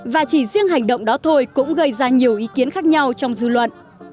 và chỉ riêng hành động đó thôi cũng gây ra nhiều ý kiến khác nhau trong dư luận